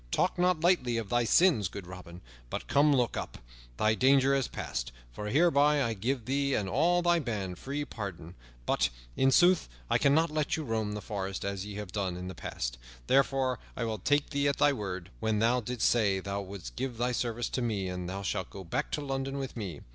Talk not lightly of thy sins, good Robin. But come, look up. Thy danger is past, for hereby I give thee and all thy band free pardon. But, in sooth, I cannot let you roam the forest as ye have done in the past; therefore I will take thee at thy word, when thou didst say thou wouldst give thy service to me, and thou shalt go back to London with me.